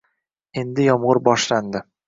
Endi yomg'ir boshlandi